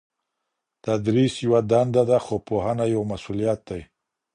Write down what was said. تدریس یوه دنده ده خو پوهنه یو مسؤلیت دی.